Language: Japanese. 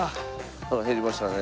腹減りましたね。